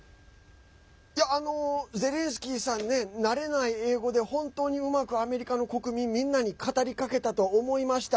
いや、ゼレンスキーさんね慣れない英語で本当にうまくアメリカの国民みんなに語りかけたと思いました。